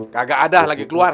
gagak ada lagi keluar